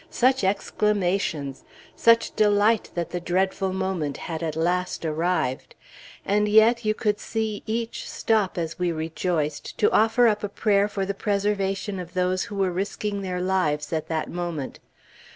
Such exclamations! such delight that the dreadful moment had at last arrived! And yet you could see each stop as we rejoiced, to offer up a prayer for the preservation of those who were risking their lives at that moment.